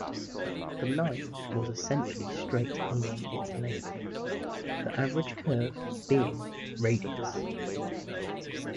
The line was essentially straight along its length, the average curve being radius.